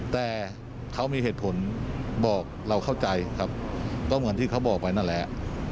แต่เขามีเหตุผลบอกเราเข้าใจครับก็เหมือนที่เขาบอกไปนั่นแหละ